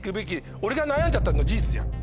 俺が悩んじゃったのは事実じゃん。